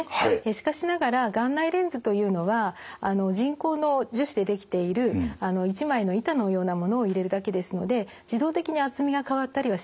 しかしながら眼内レンズというのは人工の樹脂で出来ている一枚の板のようなものを入れるだけですので自動的に厚みが変わったりはしません。